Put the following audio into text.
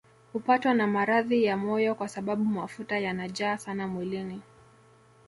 Hupatwa na maradhi ya moyo kwa sababu mafuta yanajaa sana mwilini